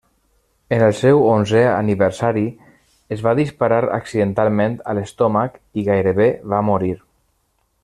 En el seu onzè aniversari, es va disparar accidentalment a l'estómac i gairebé va morir.